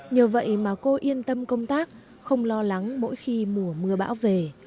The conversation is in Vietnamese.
nhờ vậy mà cô yên tâm công tác không lo lắng mỗi khi mùa mưa bão về